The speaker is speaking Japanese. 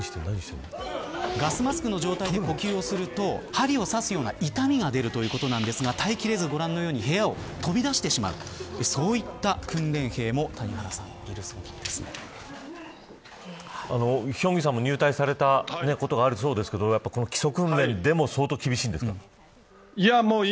ガスマスクの状態で呼吸をすると針を刺すような痛みが出るということなんですが耐えきれず部屋を飛び出してしまうそういった訓練兵もヒョンギさんも入隊されたことがあるそうですがこの基礎訓練でも相当厳しいんですか。